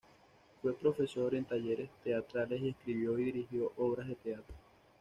Fue profesor en talleres teatrales y escribió y dirigió obras de teatro.